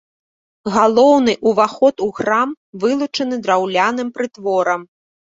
Галоўны ўваход у храм вылучаны драўляным прытворам.